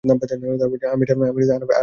আমি এটা আরামসে ভাঁজ করে পালাবো।